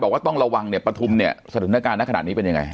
บอกว่าต้องระวังเนี้ยปฐุมเนี้ยสนุนการณ์น่าขนาดนี้เป็นยังไง